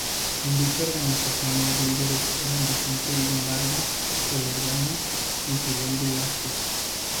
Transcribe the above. En dicha organización los líderes eran Vicente Lombardo Toledano y Fidel Velázquez.